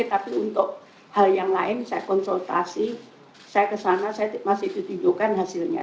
tapi untuk hal yang lain saya konsultasi saya kesana saya masih ditunjukkan hasilnya